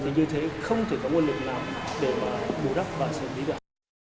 như thế không thể có nguồn lực nào để bù đắp và xử lý được